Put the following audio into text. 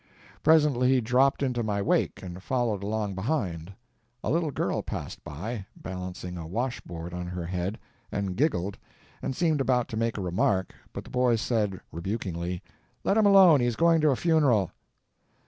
Presently he dropped into my wake and followed along behind. A little girl passed by, balancing a wash board on her head, and giggled, and seemed about to make a remark, but the boy said, rebukingly, "Let him alone, he's going to a funeral."